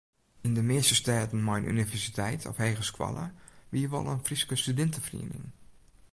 Yn de measte stêden mei in universiteit of hegeskoalle wie wol in Fryske studinteferiening.